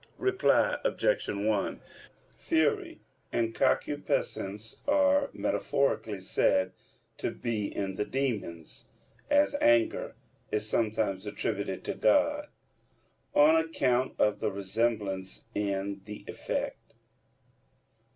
Reply Obj. 1: Fury and concupiscence are metaphorically said to be in the demons, as anger is sometimes attributed to God; on account of the resemblance in the effect.